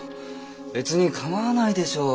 別に構わないでしょう。